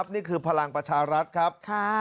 นี่คือพลังประชารัฐครับ